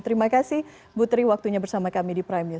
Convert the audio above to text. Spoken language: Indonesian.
terima kasih bu tri waktunya bersama kami di prime news